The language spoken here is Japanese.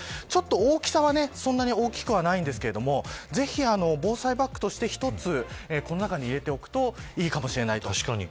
ちょっと大きさはそんなに大きくはないんですがぜひ、防災バッグして一つこの中に入れておくといいかもしれないと。